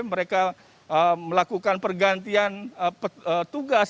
mereka melakukan pergantian tugas